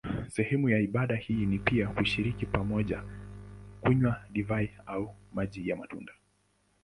Sehemu ya ibada hii ni pia kushiriki pamoja kunywa divai au maji ya matunda.